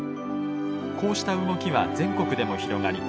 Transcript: こうした動きは全国でも広がり